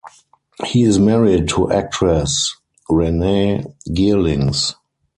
He is married to actress Renae Geerlings.